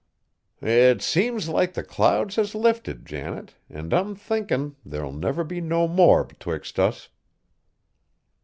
"It seems like the clouds has lifted, Janet, an' I'm thinkin' there'll never be no more 'twixt us."